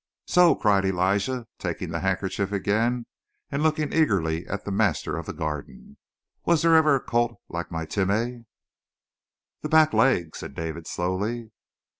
"So!" cried Elijah, taking the handkerchief again and looking eagerly at the master of the Garden. "Was there ever a colt like my Timeh?" "The back legs," said David slowly.